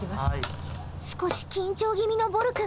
少し緊張気味のぼる君。